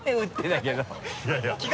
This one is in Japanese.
いやいや